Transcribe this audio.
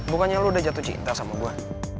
bukannya lu udah jatuh cinta sama gue